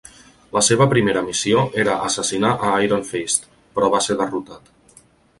La seva primera missió era assassinar a Iron Fist, però va ser derrotat.